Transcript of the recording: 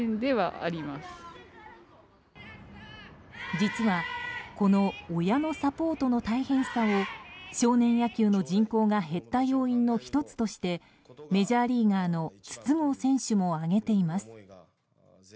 実はこの親のサポートの大変さを少年野球の人口が減った要因の１つとしてメジャーリーガーの筒香選手も挙げています。